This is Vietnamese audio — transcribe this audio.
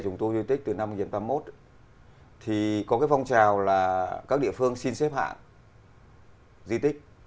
cái nghề trùng tu di tích từ năm một nghìn chín trăm tám mươi một thì có cái phong trào là các địa phương xin xếp hạng di tích